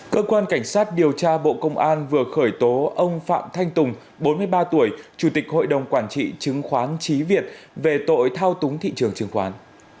cơ quan cảnh sát điều tra bộ công an vừa khởi tố ông phạm thanh tùng bốn mươi ba tuổi chủ tịch hội đồng quản trị chứng khoán trí việt về tội thao túng thị trường chứng khoán